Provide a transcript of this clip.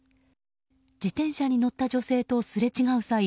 自転車に乗った女性とすれ違う際